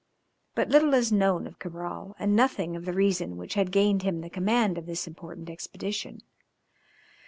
But little is known of Cabral, and nothing of the reason which had gained him the command of this important expedition.